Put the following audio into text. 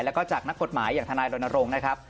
แล้วก็จากนักกฎหมายอย่างทนายรณรงค์นะครับ